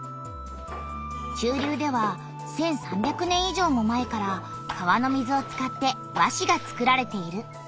中流では１，３００年いじょうも前から川の水を使って和紙が作られている。